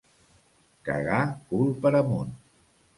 Cagar cul per amunt.